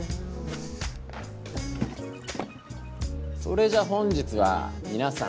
それじゃ本日はみなさん